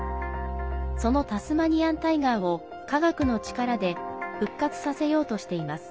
そのタスマニアン・タイガーを科学の力で復活させようとしています。